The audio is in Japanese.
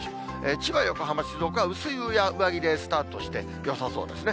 千葉、横浜、静岡は薄い上着でスタートしてよさそうですね。